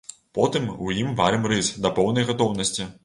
Потым у ім варым рыс да поўнай гатоўнасці.